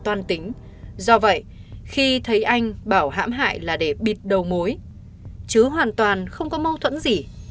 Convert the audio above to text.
anh bảo hãm hại là để bịt đầu mối chứ hoàn toàn không có mâu thuẫn gì